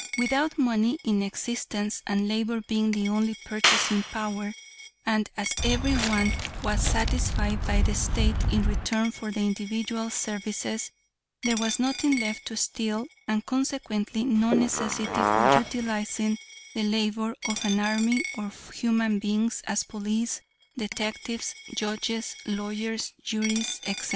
"Without money in existence, and labor being the only purchasing power, and as every want was satisfied by the State in return for the individual's services, there was nothing left to steal, and consequently no necessity for utilizing the labor of an army of human beings as police, detectives, judges, lawyers, juries, etc.